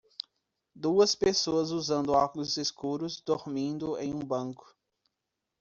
Duas pessoas usando óculos escuros, dormindo em um banco.